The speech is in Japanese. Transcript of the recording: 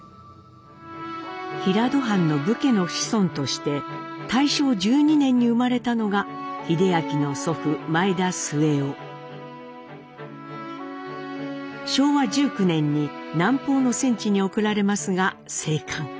平戸藩の武家の子孫として大正１２年に生まれたのが英明の昭和１９年に南方の戦地に送られますが生還。